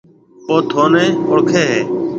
او ٿُونَي اوݪکيَ هيَ۔